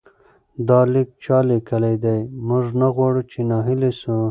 دا لیک چا لیکلی دی؟ موږ نه غواړو چې ناهیلي سو.